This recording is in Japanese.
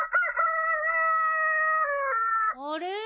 あれ？